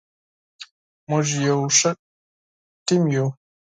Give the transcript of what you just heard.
موږ یو ښه ټیم یو.